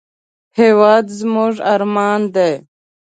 هېواد زموږ ارمان دی